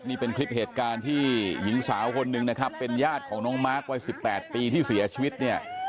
นี่เป็นคลิปเหตุการณ์ที่หญิงสาวคนหนึ่งนะครับเป็นญาติของน้องมาร์ควัย๑๘ปีที่เสียชีวิตเนี่ย